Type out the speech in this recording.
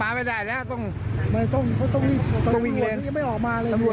งานใหญ่